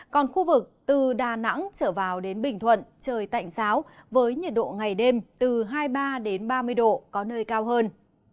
còn khu vực từ đà nẵng trở vào đến bình thuận trời tạnh giáo với nhiệt độ ngày đêm từ hai mươi ba ba mươi độ có nơi cao hơn